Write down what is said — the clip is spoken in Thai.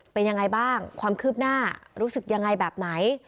เป็นยังไงบ้างความคืบหน้ารู้สึกยังไงแบบไหน